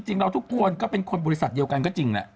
จริงเราทุกคนก็เป็นคนบริษัทเดียวกันก็จริงแหละ